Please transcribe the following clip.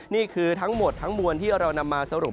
นี่คือทั้งหมดทั้งมวลที่เรานำมาสรุป